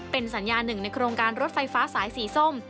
เป็นสัญญาหนึ่งในโครงการรถไฟฟ้าสายสีส้ม